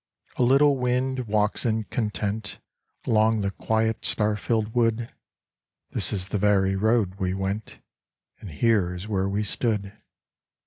A little wind walks in content Along the quiet star filled wood. This is the very road we went And here is where we stood.